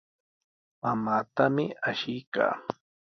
Mamaatami ashiykaa.